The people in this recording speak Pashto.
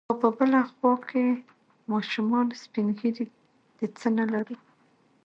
او په بله خوا کې ماشومان، سپين ږيري، د څه نه لرو.